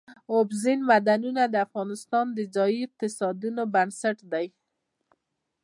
اوبزین معدنونه د افغانستان د ځایي اقتصادونو بنسټ دی.